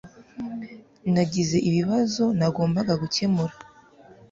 Nagize ibibazo nagombaga gukemura